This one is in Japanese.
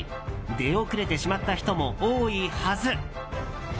出遅れてしまった人も多いはず。